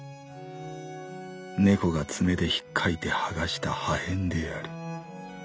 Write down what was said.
猫が爪でひっかいて剥がした破片である。